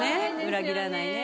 裏切らないね。